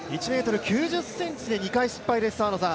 １ｍ９０ｃｍで２回失敗です。